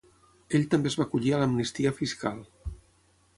Ell també es va acollir a l’amnistia fiscal.